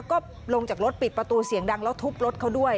ก็ลงจากรถปิดประตูเสียงดังแล้วทุบรถเขาด้วย